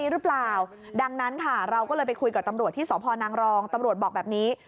หรือเปล่าดังนั้นค่ะเราก็เลยไปคุยกับตำรวจที่สพนางรองตำรวจบอกแบบนี้